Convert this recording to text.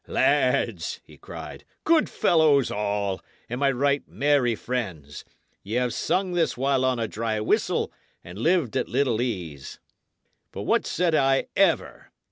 "Lads!" he cried, "good fellows all, and my right merry friends, y' have sung this while on a dry whistle and lived at little ease. But what said I ever?